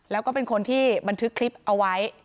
แล้วก็เป็นคนที่บันทึกคลิปเอาไว้